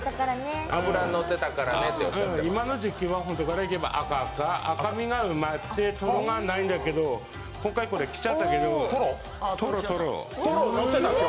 今の時期は本当からいけば赤身がうまくてトロがないんだけど、今回、これきちゃったけど、トロトロ。